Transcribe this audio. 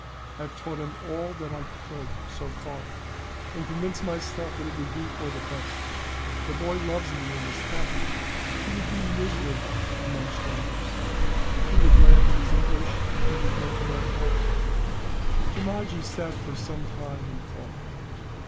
I have taught him all that I could, so far; and convinced myself that it would be the best. The boy loves me, and is happy: he would be miserable among strangers, who would laugh at his English, and would make him unhappy." Jeemajee sat for some time in thought.